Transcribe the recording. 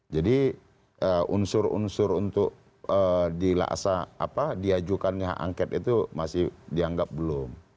jadi unsur unsur untuk diajukan hak angket itu masih dianggap belum